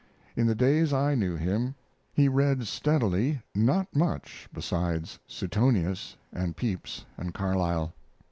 In the days I knew him he read steadily not much besides Suetonius and Pepys and Carlyle.